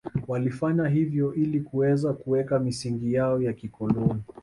Walifanya hivyo ili kuweza kuweka misingi yao ya kikoloni